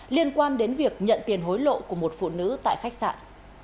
liên quan đến việc nhận tiền hối lộ của một phụ nữ tại khách sạn